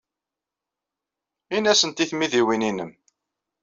Ini-asent i tmidiwin-nnem.